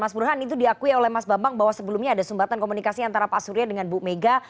mas burhan itu diakui oleh mas bambang bahwa sebelumnya ada sumbatan komunikasi antara pak surya dengan bu mega